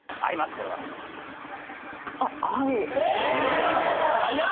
これはあっえっ！